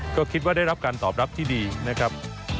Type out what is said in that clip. ก็คิดว่าได้รับการตอบรับที่ดีนะครับ